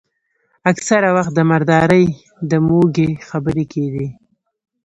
اکثره وخت د مردارۍ د موږي خبرې کېدې.